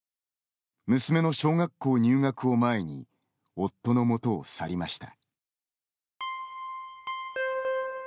娘の小学校入学を前に夫の元を去りました。